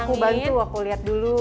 aku bantu aku lihat dulu